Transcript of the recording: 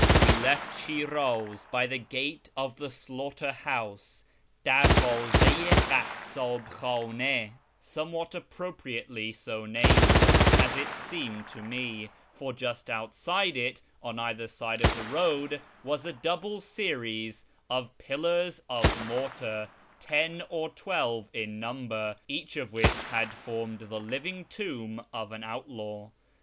We left Shiniz by the gate of the slaughter house (Denvdz4 i kasmh Jchdn^), somewhat appropriately so named, as it seemed to me ; for just outside it, on either side of the road, was a double series of pillars of mortar, ten or twelve in number, each of which had formed the living tomb of an outlaw.